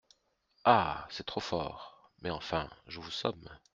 Ah ! c’est trop fort ! mais enfin, je vous somme…